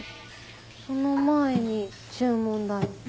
その前に注文台。